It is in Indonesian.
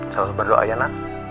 selalu berdoa ya nak